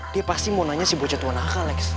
dia pasti mau nanya si bocah tuan akal lex